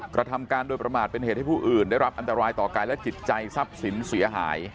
กระทำการโดยประมาทเป็นเหตุให้ผู้อื่นได้รับอันตรายต่อกายและจิตใจทรัพย์สินเสียหาย